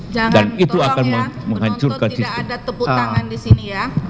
jangan tolong ya menuntut tidak ada tepuk tangan di sini ya